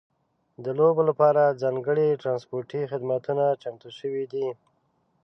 د لوبو لپاره ځانګړي ترانسپورتي خدمتونه چمتو شوي دي.